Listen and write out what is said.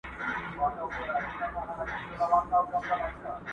.!خبر سوم، بیرته ستون سوم، پر سجده پرېوتل غواړي.!